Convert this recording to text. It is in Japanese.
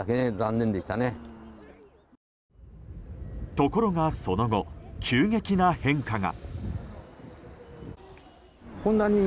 ところが、その後急激な変化が。